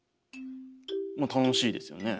ま楽しいですよね。